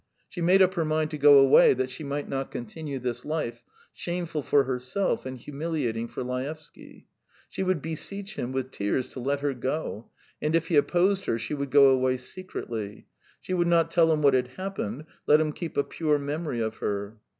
She made up her mind to go away that she might not continue this life, shameful for herself, and humiliating for Laevsky. She would beseech him with tears to let her go; and if he opposed her, she would go away secretly. She would not tell him what had happened; let him keep a pure memory of her.